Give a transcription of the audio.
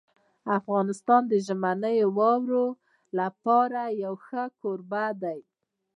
افغانستان د ژمنیو واورو لپاره یو ښه کوربه دی.